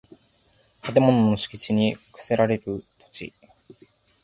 建物の敷地に供せられる土地